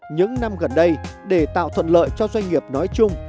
những năm gần đây để tạo thuận lợi cho doanh nghiệp nói chung